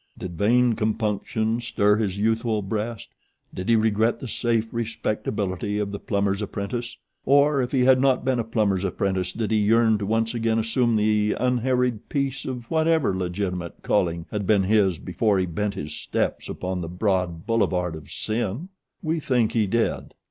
Did vain compunction stir his youthful breast? Did he regret the safe respectability of the plumber's apprentice? Or, if he had not been a plumber's apprentice did he yearn to once again assume the unharried peace of whatever legitimate calling had been his before he bent his steps upon the broad boulevard of sin? We think he did.